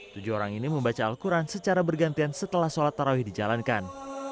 tujuh orang ini membaca al quran secara bergantian setelah sholat tarawih dijalankan